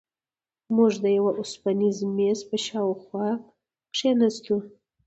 موږ د یوه اوسپنیز میز پر شاوخوا کېناستو.